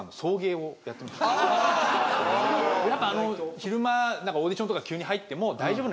昼間オーディションとか急に入っても大丈夫な。